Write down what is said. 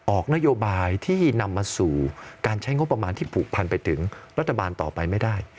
ออกนโยบายที่นำมาสู่การใช้งบประมาณที่ผูกพันไปถึงรัฐบาลต่อไปไม่ได้